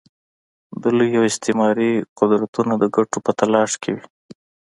د لوی او استعماري قدرتونه د ګټو په تلاښ کې وي.